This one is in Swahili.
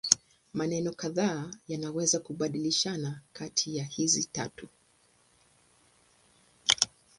Maeneo kadhaa yanaweza kubadilishana kati hizi tatu.